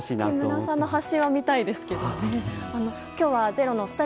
木村さんの発信は見たいです。